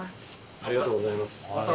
ありがとうございます。